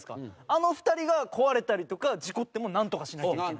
あの２人が壊れたりとか事故ってもなんとかしないといけない。